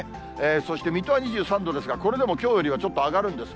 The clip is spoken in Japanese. そして、水戸は２３度ですが、これでもきょうよりはちょっと上がるんです。